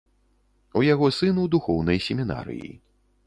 У яго сын у духоўнай семінарыі.